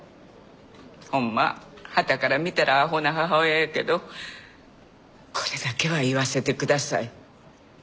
ほんまはたから見たらアホな母親やけどこれだけは言わせてください。